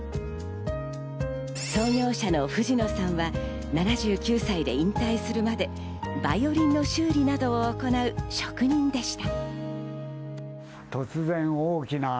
創業者の藤野さんは７９歳で引退するまでバイオリンの修理などを行う職人でした。